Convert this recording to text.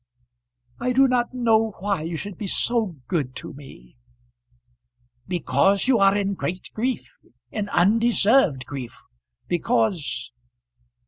"I do not know why you should be so good to me." "Because you are in great grief, in undeserved grief, because